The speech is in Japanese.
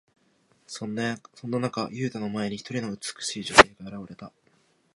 そんな中、ユウタの前に、一人の美しい女性が現れた。